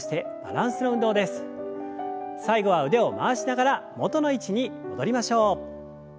最後は腕を回しながら元の位置に戻りましょう。